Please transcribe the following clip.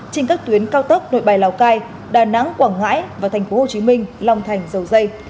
trên các tuyến cao tốc nội bài lào cai đà nẵng quảng ngãi và tp hcm long thành dầu dây